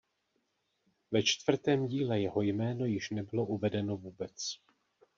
Ve čtvrtém díle jeho jméno již nebylo uvedeno vůbec.